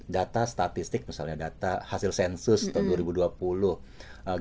data statistik misalnya data hasil sensus tahun dua ribu dua puluh